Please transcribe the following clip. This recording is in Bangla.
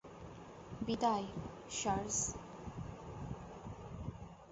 বিদায়, সার্জ।